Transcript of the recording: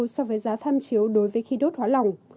so với giá tham chiếu đối với khí đốt hóa lỏng